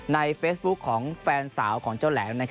ในเฟซบุ๊คของแฟนสาวของเจ้าแหลม